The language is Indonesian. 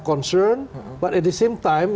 berniat tapi pada saat yang sama